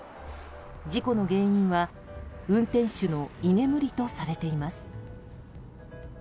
事故の原因は運転手の居眠りとされています。